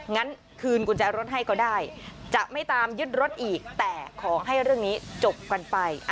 งั้นคืนกุญแจรถให้ก็ได้จะไม่ตามยึดรถอีกแต่ขอให้เรื่องนี้จบกันไป